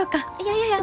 いやいや。